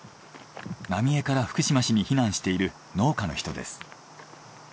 浪江から福島市に避難している農家の人です。